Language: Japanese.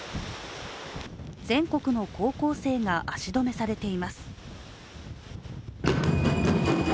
全国の高校生が足止めされています。